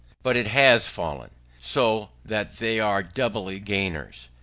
But it has fallen: so that they are doubly gainers.